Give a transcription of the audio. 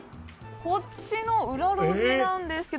こっちの裏路地なんですけど。